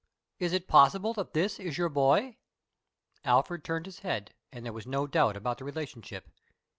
Is it possible that this is your boy?" Alfred turned his head and there was no doubt about the relationship.